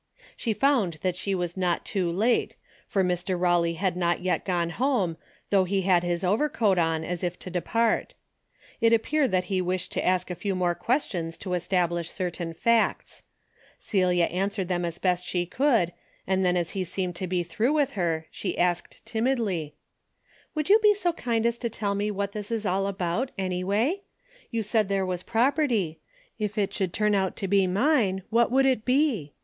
She found that she was not too late, for Mr. Eawley had not yet gone home, though he had his overcoat on as if about to depart. It appeared that he wished to ask a few more questions to establish certain facts. Celia an swered them as best she could, and then as he seemed to be through with her, she asked timidly : "Would you be so kind as to tell me what 78 A DAILY BATEy this is all about, anyway ? You said there was property. If it should turn out to be mine, what would it be?